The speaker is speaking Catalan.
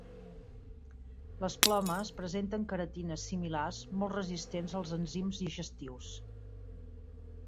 Les plomes presenten queratines similars molt resistents als enzims digestius.